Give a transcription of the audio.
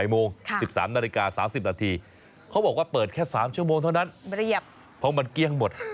๑๓นาฬิกา๓๐นาทีเขาบอกว่าเปิดแค่๓ชั่วโมงเท่านั้นเรียบเพราะมันเกลี้ยงหมด